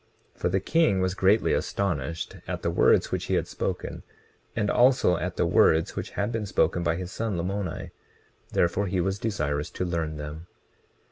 For the king was greatly astonished at the words which he had spoken, and also at the words which had been spoken by his son Lamoni, therefore he was desirous to learn them.